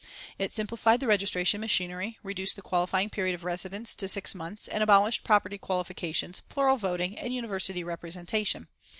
It simplified the registration machinery, reduced the qualifying period of residence to six months, and abolished property qualifications, plural voting and University representation.